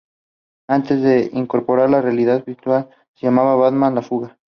Antes de incorporar la realidad virtual se llamaba Batman: La Fuga.